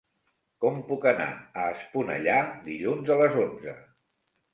Com puc anar a Esponellà dilluns a les onze?